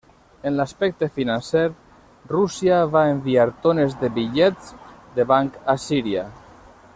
En l'aspecte financer, Rússia va enviar tones de bitllets de banc a Síria.